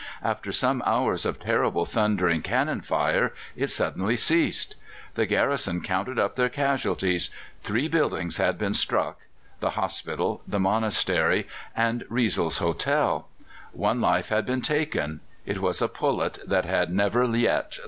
After some hours of terrible, thundering cannon fire, it suddenly ceased. The garrison counted up their casualties. Three buildings had been struck the hospital, the monastery, and Riesle's Hotel; one life had been taken it was a pullet that had never yet laid an egg!